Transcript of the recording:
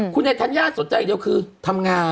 คุณไอ้ธัญญาสนใจอย่างเดียวคือทำงาน